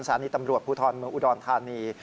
สถานีตำรวจภูทรเมืองอุดรธานี